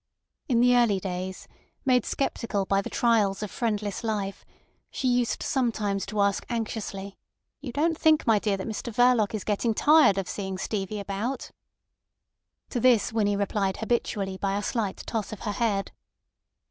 In the early days, made sceptical by the trials of friendless life, she used sometimes to ask anxiously: "You don't think, my dear, that Mr Verloc is getting tired of seeing Stevie about?" To this Winnie replied habitually by a slight toss of her head.